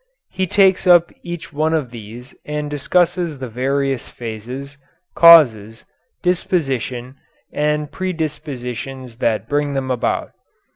He takes up each one of these and discusses the various phases, causes, disposition, and predispositions that bring them about.